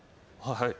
はい。